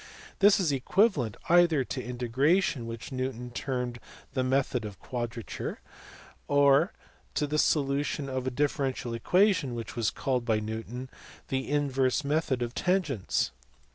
This is equivalent either to integration which Newton termed the method of quadrature, or to the solution of a differential equation which was called by Newton the inverse method of tangents.